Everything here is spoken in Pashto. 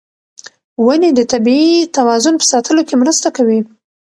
ونې د طبیعي توازن په ساتلو کې مرسته کوي.